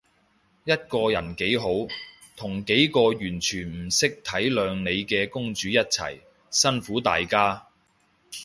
一個人幾好，同一個完全唔識體諒你嘅公主一齊，辛苦大家